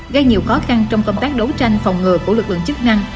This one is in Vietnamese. gây nhiều khó khăn trong công tác đấu tranh phòng ngừa của lực lượng chức năng